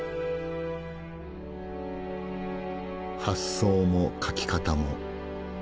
発想も描き方も。